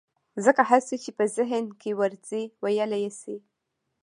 ځکه هر څه چې په ذهن کې ورځي ويلى يې شي.